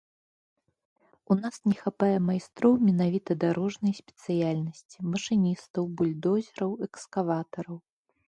У нас не хапае майстроў менавіта дарожнай спецыяльнасці, машыністаў бульдозераў, экскаватараў.